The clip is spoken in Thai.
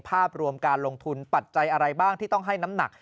ภาพรวมการลงทุนปัจจัยอะไรบ้างที่ต้องให้น้ำหนัก